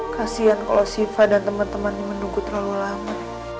kasian kalo siva dan temen temen ini menunggu terlalu lama